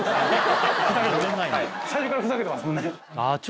最初からふざけてますもんね。